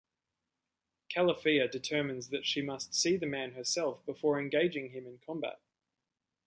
Calafia determines that she must see the man herself before engaging him in combat.